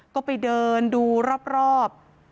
ก็ไปเดินดูรอบ